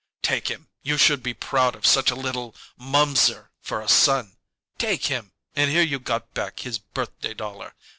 "Take him! You should be proud of such a little momser for a son! Take him, and here you got back his birthday dollar.